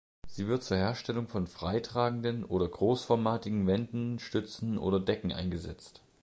Sie wird zur Herstellung von freitragenden oder großformatigen Wänden, Stützen oder Decken eingesetzt.